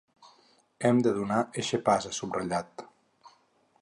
“Hem de donar eixe pas”, ha subratllat.